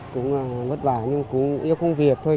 cũng vất vả nhưng cũng yêu công việc thôi